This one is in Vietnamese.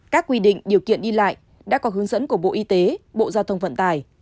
các quy định điều kiện đi lại đã có hướng dẫn của bộ y tế bộ giao thông vận tải